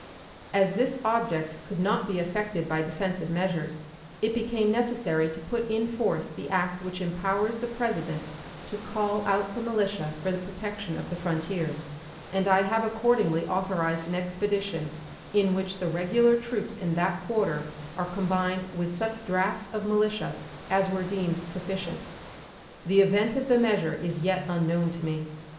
As this object could not be effected by defensive measures, it became necessary to put in force the act which empowers the President to call out the militia for the protection of the frontiers, and I have accordingly authorized an expedition in which the regular troops in that quarter are combined with such drafts of militia as were deemed sufficient. The event of the measure is yet unknown to me.